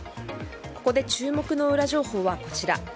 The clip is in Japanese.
ここで注目のウラ情報はこちら。